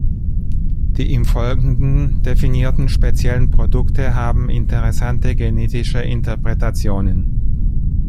Die im Folgenden definierten speziellen Produkte haben interessante genetische Interpretationen.